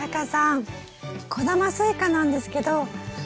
小玉スイカなんですけど見て下さい。